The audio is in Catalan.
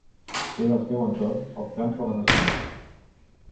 Té al seu entorn els Camps de la Masia.